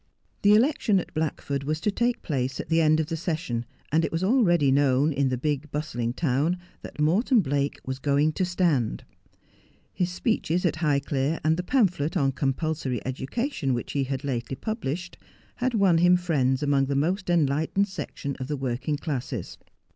The election at Blackford was to take place at the end of the session, and it was already known in the big, bustling town that Morton Blake was going to stand. His speeches at Highclere, and the pamphlet on compulsory education which he had lately published, had won him friends among the most enlightened section of the working classes.